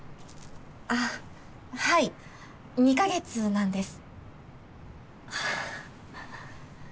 あっはい２か月なんです。